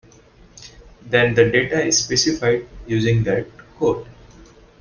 Then the data is specified using that code.